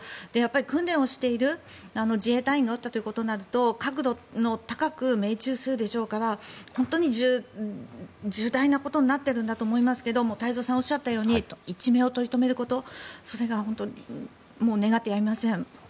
訓練をしている自衛隊員が撃ったということとなると確度高く命中するでしょうから重大なことになっているんだと思いますが太蔵さんがおっしゃったように一命を取り留めることそれが本当に願ってやみません。